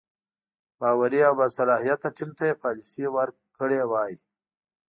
باوري او باصلاحیته ټیم ته یې پالیسي ورکړې وای.